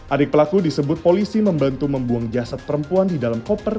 adik pelaku disebut polisi membantu membuang jasad perempuan di dalam koper